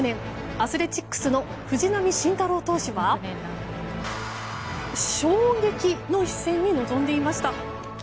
アスレチックスの藤浪晋太郎投手は笑劇の一戦に臨んでいました。